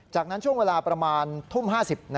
จากนั้นช่วงเวลาประมาณทุ่ม๕๐